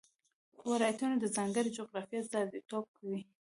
ولایتونه د ځانګړې جغرافیې استازیتوب کوي.